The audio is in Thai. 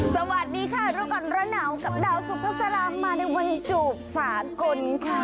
สวัสดีค่ะรุกรณ์ระหน๋ากับดาวสุภาษลามาในวันจูบสากลค่ะ